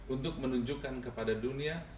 untuk menunjukkan kepada dunia